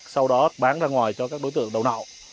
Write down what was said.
sau đó bán ra ngoài cho các đối tượng đầu nậu